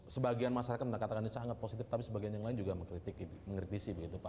sebagian masyarakat menangkatkan ini sangat positif tapi sebagian yang lain juga mengkritisi